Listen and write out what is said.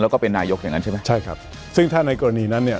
แล้วก็เป็นนายกอย่างนั้นใช่ไหมใช่ครับซึ่งถ้าในกรณีนั้นเนี่ย